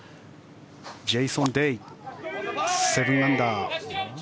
ジェイソン・デイ、７アンダー。